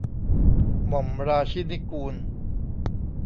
หม่อมราชินิกูล